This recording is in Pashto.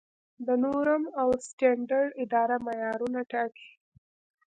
د نورم او سټنډرډ اداره معیارونه ټاکي؟